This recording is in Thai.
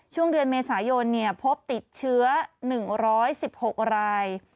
ช่วงเดือนเมษายนพบติดเชื้อ๑๑๖ราย